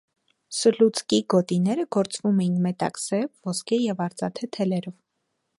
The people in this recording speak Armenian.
Սլուցկի գոտիները գործվում էին մետաքսե, ոսկե և արծաթե թելերով։